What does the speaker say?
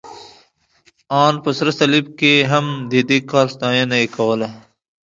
ان په سره صلیب کې هم، د دې کار ستاینه یې کوله.